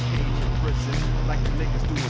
tasya berhenti tasya